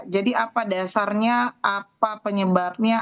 jadi apa dasarnya apa penyebabnya